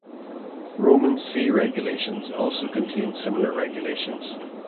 Roman sea regulations also contained similar regulations.